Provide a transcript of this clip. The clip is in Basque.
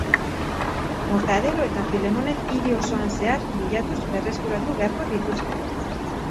Mortadelo eta Filemonek hiri osoan zehar bilatuz berreskuratu beharko dituzte.